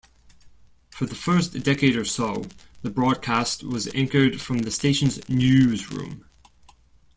For the first decade or so, the broadcast was anchored from the station's newsroom.